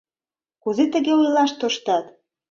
Кузе тыге ойлаш тоштат?